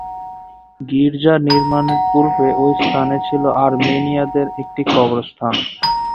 গীর্জা নির্মাণের পূর্বে ঐ স্থানে ছিলো আর্মেনীয়দের একটি কবরস্থান।